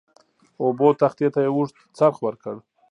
اوبو تختې ته یو اوږد څرخ ورکړ.